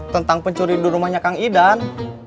tentang pencuri di rumahnya kang idan